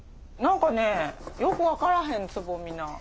何かねよく分からへん蕾菜。